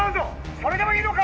それでもいいのか！